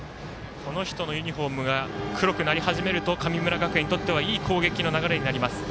この人のユニフォームが黒くなり始めると神村学園にとってはいい攻撃の流れになります。